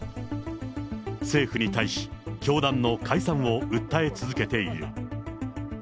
政府に対し、教団の解散を訴え続けている。